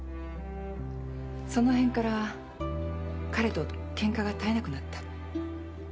その辺から彼とケンカが絶えなくなった？